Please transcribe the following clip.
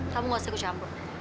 terima kasih pak